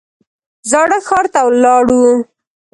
زاړه ښار ته لاړو.